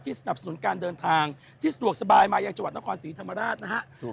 สนับสนุนการเดินทางที่สะดวกสบายมายังจังหวัดนครศรีธรรมราชนะฮะ